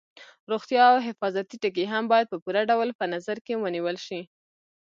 روغتیا او حفاظتي ټکي هم باید په پوره ډول په نظر کې ونیول شي.